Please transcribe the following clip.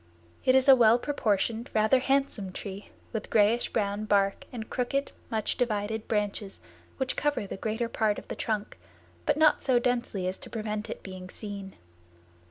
It is a well proportioned, rather handsome tree with grayish brown bark and crooked, much divided branches which cover the greater part of the trunk, but not so densely as to prevent it being seen.